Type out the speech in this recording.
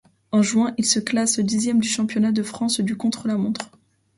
En juin, il se classe dixième du championnat de France du contre-la-montre.